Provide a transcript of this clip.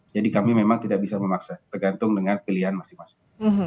jadi kami memang tidak bisa memaksa tergantung dengan pilihan masing masing